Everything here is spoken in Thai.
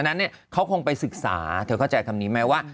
เธอเข้าไปศึกษาเธอเข้าใจคำนี้ไหมว่า